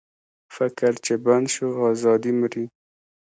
فکر چې بند شو، ازادي مري.